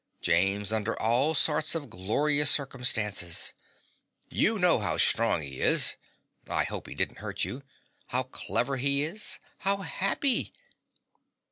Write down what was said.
James under all sorts of glorious circumstances! You know how strong he is (I hope he didn't hurt you) how clever he is how happy!